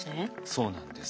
そうなんです。